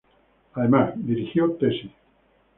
Además, dirigió tesis.